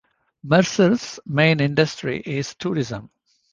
Mercer's main industry is tourism.